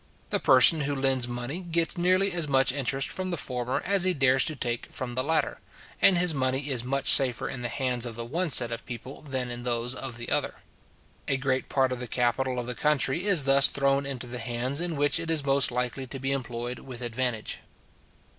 The person who lends money gets nearly as much interest from the former as he dares to take from the latter, and his money is much safer in the hands of the one set of people than in those of the other. A great part of the capital of the country is thus thrown into the hands in which it is most likely to be employed with advantage.